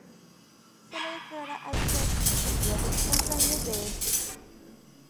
Se le declara a Chiaki el día del cumpleaños de este.